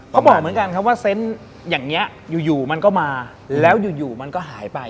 บอกเหมือนกันครับว่าเซนต์อย่างนี้อยู่มันก็มาแล้วอยู่มันก็หายไป